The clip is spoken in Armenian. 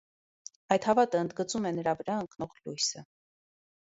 Այդ հավատը ընդգծում է նրա վրա ընկնող լույսը։